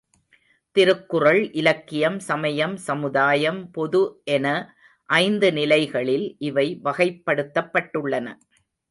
திருக்குறள் இலக்கியம் சமயம் சமுதாயம் பொது என ஐந்து நிலைகளில் இவை வகைப்படுத்தப்பட்டுள்ளன.